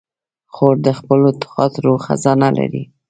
خور د خپلو خاطرو خزانه لري.